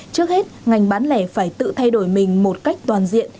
trước hết ngành bán lẻ phải tự thay đổi mình một cách toàn diện